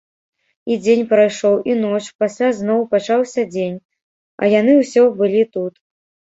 І дзень прайшоў, і ноч, пасля зноў пачаўся дзень, а яны ўсё былі тут.